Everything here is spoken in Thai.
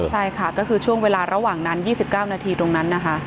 ใช่ค่ะก็คือช่วงเวลาระหว่างนั้น๒๙นาทีตรงนั้นนะคะ